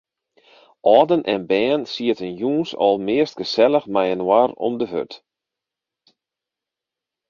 Alden en bern sieten jûns almeast gesellich mei-inoar om de hurd.